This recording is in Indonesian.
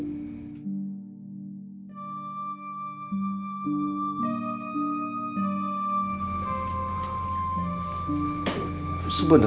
kepala per llama